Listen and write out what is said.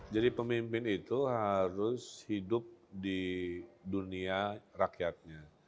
jadi pemimpin itu harus hidup di dunia rakyatnya